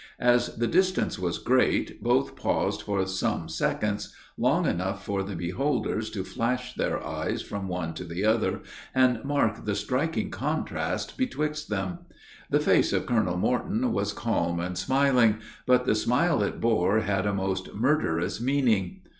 As the distance was great, both paused for some seconds long enough for the beholders to flash their eyes from one to the other, and mark the striking contrast betwixt them. The face of Colonel Morton was calm and smiling; but the smile it bore had a most murderous meaning.